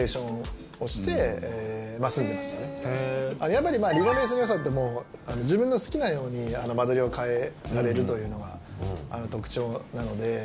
やっぱりリノベーションのよさって自分の好きなように間取りを変えられるというのが特徴なので。